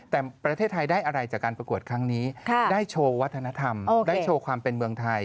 แต่ประเทศไทยได้อะไรจากการประกวดครั้งนี้ได้โชว์วัฒนธรรมได้โชว์ความเป็นเมืองไทย